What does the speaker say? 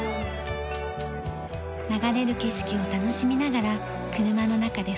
流れる景色を楽しみながら車の中で２人きり。